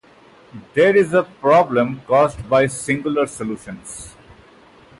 There is a problem caused by singular solutions.